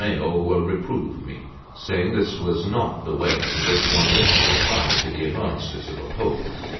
Messer Bartolommeo reproved me, saying that this was not the way in which one ought to reply to the advances of a Pope.